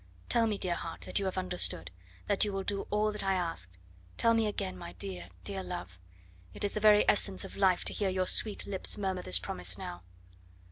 Tell me, dear heart, that you have understood that you will do all that I asked. Tell me again, my dear, dear love; it is the very essence of life to hear your sweet lips murmur this promise now."